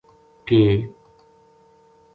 کے